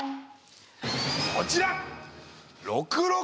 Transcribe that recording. こちら！